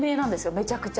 めちゃくちゃ。